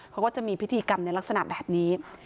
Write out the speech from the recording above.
เขาก็จะมีพิธีกรรมในลักษณะแบบนี้